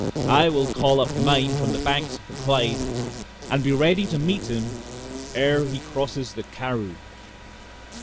I will call up mine from the banks of the Clyde, and be ready to meet him ere he crosses the Carrou."